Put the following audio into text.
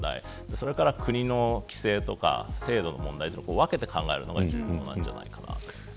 それから国の規制とか制度の問題を分けて考えるのが重要だと思います。